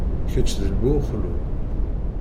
Keč d bu uxlul.